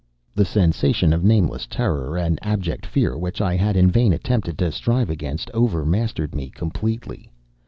The sensation of nameless terror and abject fear which I had in vain attempted to strive against overmastered me completely.